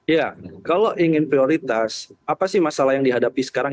ya kalau ingin prioritas apa sih masalah yang dihadapi sekarang